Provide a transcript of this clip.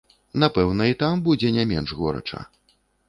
Напэўна, і там будзе не менш горача.